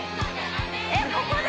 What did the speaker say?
えっここで！？